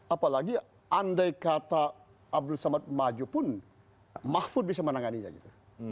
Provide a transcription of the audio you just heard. apalagi andai kata abdul samad maju pun mahfud bisa menanganinya gitu